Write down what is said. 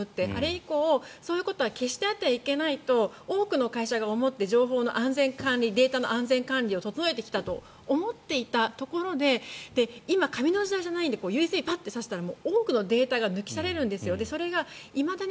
以降そういうことは決してあってはいけないと多くの会社が思って情報やデータの安全管理を整えてきたと思っていたところで今、紙の時代じゃないのでＵＳＢをさしたら多くのデータを抜きされるんですよ。